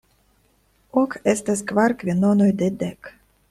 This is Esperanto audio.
Ok estas kvar kvinonoj de dek.